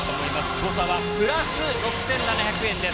誤差はプラス６７００円です。